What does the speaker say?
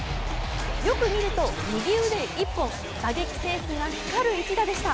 よく見ると、右腕一本打撃センスが光る一打でした。